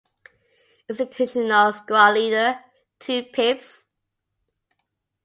"Institutional Squad Leader": Two pips.